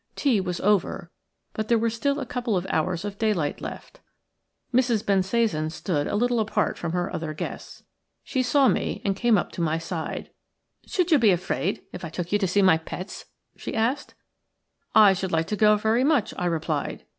Tea was over, but there were still a couple of hours of daylight left. Mrs. Bensasan stood a little apart from her other guests. She saw me and came up to my side. "Should you be afraid if I took you to see my pets?" she said. "I should like to go very much," I replied.